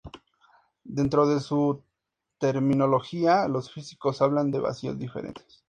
Dentro de su terminología, los físicos hablan de vacíos diferentes.